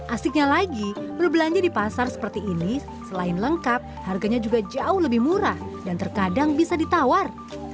asiknya lagi berbelanja di pasar seperti ini selain lengkap harganya juga jauh lebih murah dan terkadang bisa ditawar